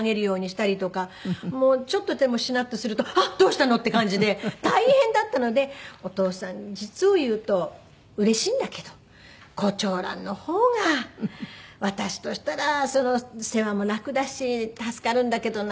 もうちょっとでもしなっとするとあっどうしたの？って感じで大変だったので「お父さん実を言うとうれしいんだけど胡蝶蘭の方が私としたら世話も楽だし助かるんだけどな」